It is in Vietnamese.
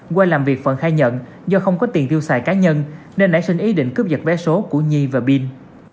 qua làm việc phận khai nhận do không có tiền tiêu xài cá nhân nên đã xin ý định cướp giật vé số của nhi và binh